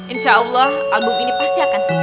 insya allah album ini pasti akan sukses